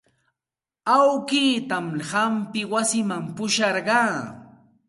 Awkiitan hampina wasiman pusharqaa.